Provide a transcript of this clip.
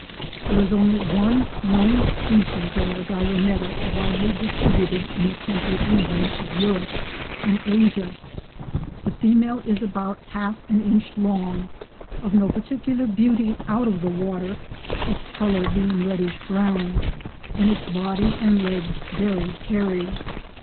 There is only one known species of Argyroneta, widely distributed in the temperate regions of Europe and Asia. The female is about half an inch long, of no particular beauty out of the water, its colour being reddish brown, and its body and legs very hairy.